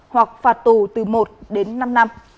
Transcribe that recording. hoặc phạt tù từ một đến năm năm